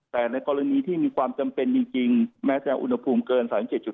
แต่ในกรณีที่มีความจำเป็นจริงแม้จะอุณหภูมิเกิน๓๗